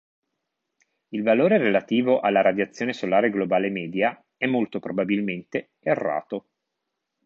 Il valore relativo alla radiazione solare globale media è molto probabilmente errato.